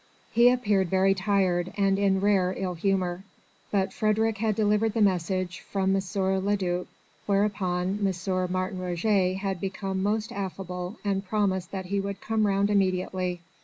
He appeared very tired and in rare ill humour: but Frédérick had delivered the message from M. le duc, whereupon M. Martin Roget had become most affable and promised that he would come round immediately.